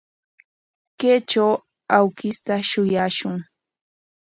Kaytraw awkishta shuyashun.